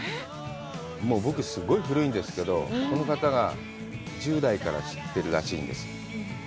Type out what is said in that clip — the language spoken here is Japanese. もう僕、すごい古いんですけど、この方が１０代から知ってるらしいんです。